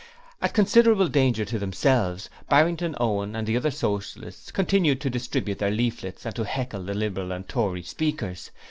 At considerable danger to themselves, Barrington, Owen and the other Socialists continued to distribute their leaflets and to heckle the Liberal and Tory speakers.